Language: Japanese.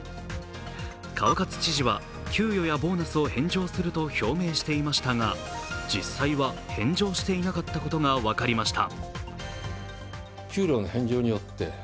川勝知事は給与やボーナスを返上すると表明していましたが実際は返上していなかったことが分かりました。